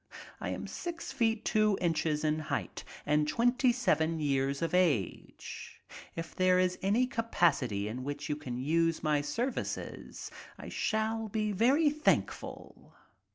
I am six feet two inches in height and 27 years of age. If there is any capacity in which you can use my services I shall be very thankful.